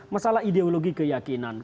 masalah ideologi keyakinan